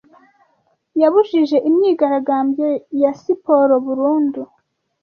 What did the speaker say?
yabujije imyigaragambyo ya siporo burundu